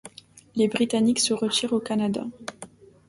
Les britanniques se retirent au Canada.